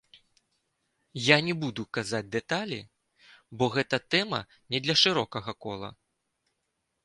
Я не буду казаць дэталі, бо гэта тэма не для шырокага кола.